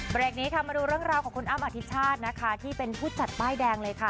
เปลี่ยงบริกนี้มาดูเรื่องราวของคุณอ้ามอธิชาติที่เป็นผู้จัดใบ้แดงเลยค่ะ